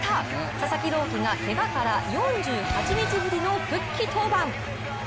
佐々木朗希がけがから４８日ぶりの復帰登板。